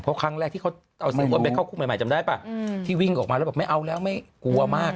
เพราะครั้งแรกที่เขาเอาซีอ้วนไปเข้าคุกใหม่จำได้ป่ะที่วิ่งออกมาแล้วแบบไม่เอาแล้วไม่กลัวมาก